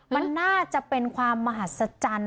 มันน่าจะเป็นความมหัศจรรย์